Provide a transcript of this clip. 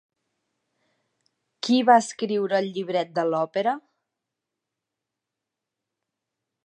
Qui va escriure el llibret de l'òpera?